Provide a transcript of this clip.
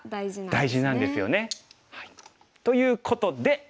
大事なんですよね。ということで。